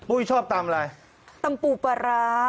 ชอบตำอะไรตำปูปลาร้า